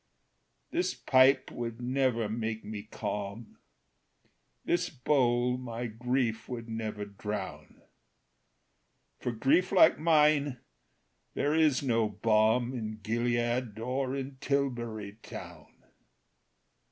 "This pipe would never make me calm, This bowl my grief would never drown. For grief like mine there is no balm In Gilead, or in Tilbury Town.